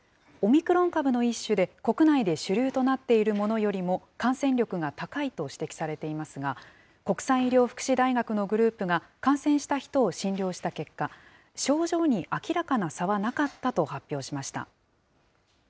オミクロン株の一種で、国内で主流となっているものよりも感染力が高いと指摘されていますが、国際医療福祉大学のグループが感染した人を診療した結果、症状に明らかな差はなかったと発表しました。